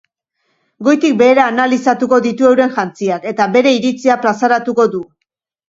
Goitik behera analizatuko ditu euren jantziak eta bere iritzia plazaratuko du.